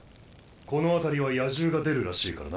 この辺りは野獣が出るらしいからな。